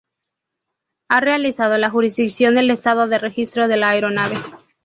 Ha realizado la jurisdicción del Estado de registro de la aeronave.